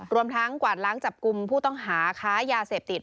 รวมทั้งกวาดล้างจับกลุ่มผู้ต้องหาค้ายาเสพติด